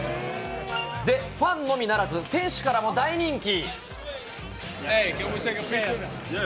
で、ファンのみならず選手からも大人気。